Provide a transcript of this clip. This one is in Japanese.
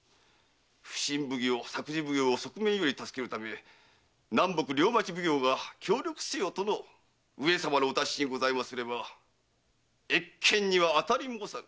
普請奉行作事奉行を側面より助けるため南北両町奉行が協力せよとの上様のお達しにございますれば越権には当たりもうさぬ。